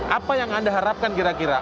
apa yang anda harapkan kira kira